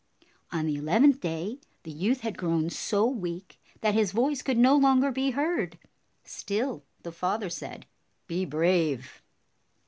On the eleventh day, the youth had grown so weak that his voice could no longer be heard. Still the father said, "Be brave."